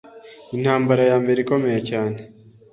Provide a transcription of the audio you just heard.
intambara ya mbere ikomeye cyane